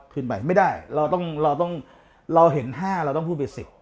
ขึ้นไปไม่ได้เราต้องเราเห็น๕เราต้องพูดไป๑๐